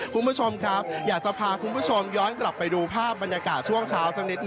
คุณผู้ชมครับอยากจะพาคุณผู้ชมย้อนกลับไปดูภาพบรรยากาศช่วงเช้าสักนิดน